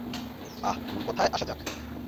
আহ, মুল কথায় আসা যাক।